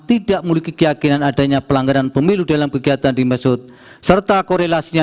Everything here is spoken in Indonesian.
tidak memiliki keyakinan adanya pelanggaran pemilu dalam kegiatan dimaksud serta korelasinya